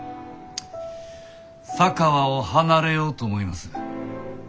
佐川を離れようと思います。